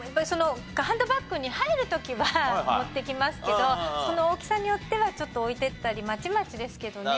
ハンドバッグに入る時は持って行きますけどその大きさによってはちょっと置いていったりまちまちですけどね。